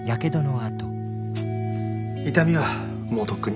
痛みはもうとっくに。